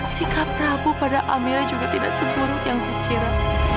sikap rabu pada amela juga tidak seburuk yang kukira